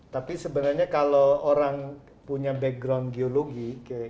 tapi sebenarnya kalau orang punya background geologi